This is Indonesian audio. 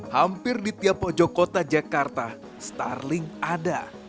hampir di tiap pojok kota jakarta starling ada